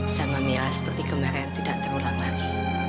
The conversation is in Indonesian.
sama mila seperti kemarin tidak terulang lagi